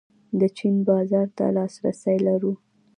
د چین بازار ته لاسرسی لرو؟